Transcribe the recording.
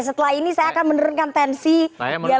setelah ini saya akan menurunkan tensi dialog